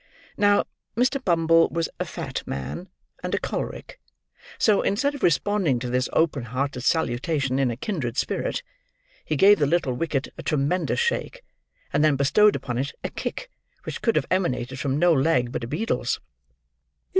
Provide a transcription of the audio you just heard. Now, Mr. Bumble was a fat man, and a choleric; so, instead of responding to this open hearted salutation in a kindred spirit, he gave the little wicket a tremendous shake, and then bestowed upon it a kick which could have emanated from no leg but a beadle's.